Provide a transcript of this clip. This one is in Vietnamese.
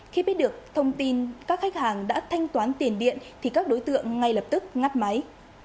khi biết được thông tin các khách hàng đã thanh toán tiền điện thì các đối tượng ngay lập tức ngắt máy